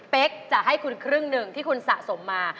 จะให้คุณครึ่งหนึ่งที่คุณสะสมมา